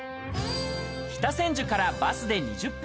北千住からバスで２０分。